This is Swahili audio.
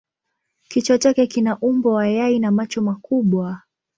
Kichwa chake kina umbo wa yai na macho makubwa.